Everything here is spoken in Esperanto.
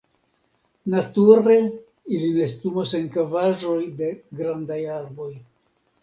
Nature ili nestumas en kavaĵoj de grandaj arboj.